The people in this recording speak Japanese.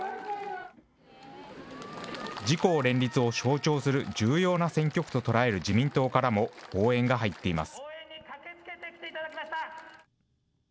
自公連立を象徴する重要な選挙区と捉える自民党からも、応援が入っています。